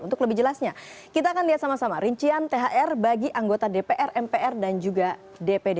untuk lebih jelasnya kita akan lihat sama sama rincian thr bagi anggota dpr mpr dan juga dpd